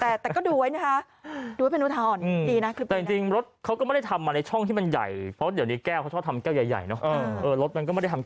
เอออะไรอย่างนี้เขาจะชอบว่าเด็กโอ้ยปึกขนาดอะไรอย่างนี้นะ